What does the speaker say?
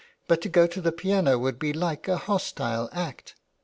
But to go to the piano would be like a hostile act.